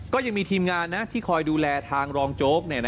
ก็ยังมีทีมงานที่คอยดูแลทางรองโจ๊ก